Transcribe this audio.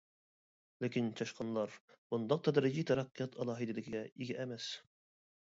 لېكىن، چاشقانلار بۇنداق تەدرىجىي تەرەققىيات ئالاھىدىلىكىگە ئىگە ئەمەس.